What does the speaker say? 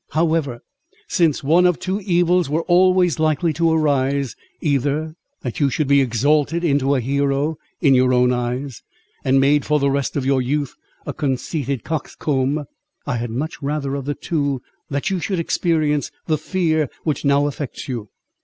However, since one of two evils were always likely to arise, either that you should be exalted into a hero, in your own eyes, and made for the rest of your youth a conceited coxcomb, I had much rather of the two that you should experience the fear which now affects you.